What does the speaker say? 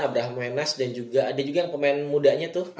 abraham wenas dan juga ada juga yang pemain mudanya tuh